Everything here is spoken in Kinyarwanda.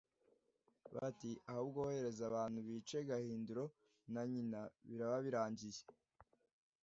Bati ahubwo ohereza abantu bice Gahindiro na nyina biraba birangiye.